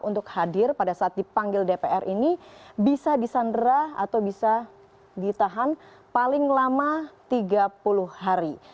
untuk hadir pada saat dipanggil dpr ini bisa disandera atau bisa ditahan paling lama tiga puluh hari